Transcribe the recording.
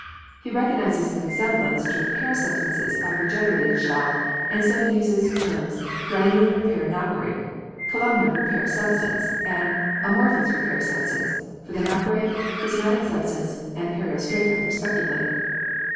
He recognises the resemblance to repair substances of regenerated shell, and so uses the terms "granular repair nacre," "columnar repair substance," and "amorphous repair substance," for the nacre, pris matic substance and periostracum respectively.